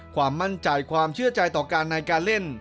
ความมั่นใจความเชื่อใจต่อการในการเล่น